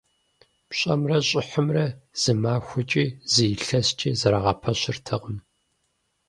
ПщӀэмрэ щӀыхьымрэ зы махуэкӀи, зы илъэскӀи зэрагъэпэщыртэкъым.